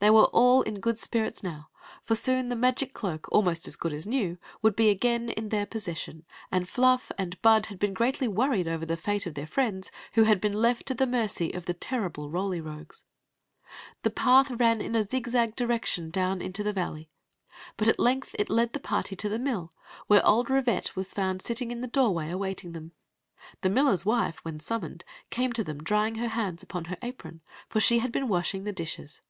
They were alt in good spirits now, for soon the magic cloak, almost as good as new, would be again in their possession; and FluF and Bud had been greatly worried over the fate of their friends who had been left to the mercy of the tenibk Roly Ri^es. The path ran in a zigzag direction down into the valley; but at length it led the party to the mill, where old Rivette was found sitting in the doorway awaiting them. The mUler s wife, wim summoned, came to them drying her hands on her apron, for she had been washing the dishes.